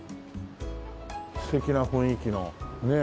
素敵な雰囲気のねえ。